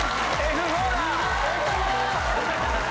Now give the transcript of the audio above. Ｆ４だ！